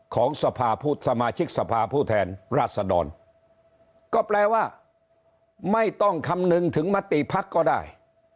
ของสภาพุทธสมาชิกสภาผู้แทนราชดรก็แปลว่าไม่ต้องคำนึงถึงมติภักดิ์ก็ได้